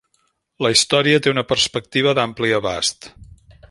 La història té una perspectiva d'ampli abast.